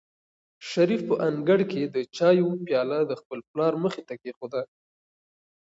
شریف په انګړ کې د چایو پیاله د خپل پلار مخې ته کېښوده.